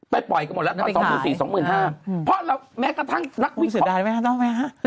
ไปปล่อยกันหมดแล้วตอน๒๔๐๐๐๒๕๐๐๐เพราะเราแม้กระทั่งนักวิทยาศาสตร์